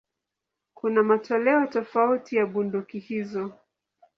Kuna matoleo tofauti ya bunduki hizo.